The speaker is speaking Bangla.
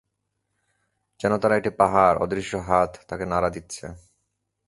যেন তারা একটি পাহাড়, অদৃশ্য হাত তাকে নাড়া দিচ্ছে।